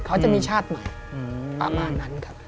เขาจะมีชาติใหม่ประมาณนั้นครับ